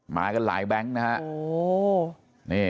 มากันหลายแบงค์นะฮะ